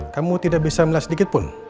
kamu tidak bisa melihat sedikitpun